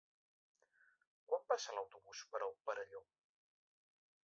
Quan passa l'autobús per el Perelló?